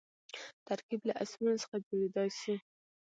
ترکیب له اسمونو څخه جوړېدای سي.